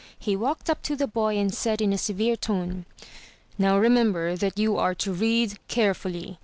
He walked up to the boy and said in a severe tone: "Now remember that you are to read carefully!